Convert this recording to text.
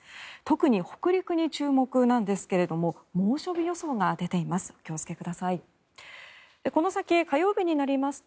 特に北陸に注目なんですけども猛暑日予想が出ています。